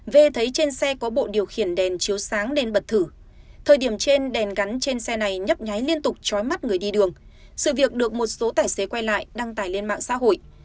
v thấy trên xe có bộ điều khiển đèn chiếu sáng đèn bật thử thời điểm trên đèn gắn trên xe này nhấp nhái liên tục trói mắt người đi đường sự việc được một số tài xế quay lại đăng tải lên mạng xã hội